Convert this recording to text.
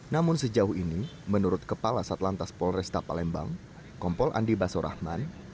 namun sejauh ini menurut kepala satlantas polresta palembang kompol andi baso rahman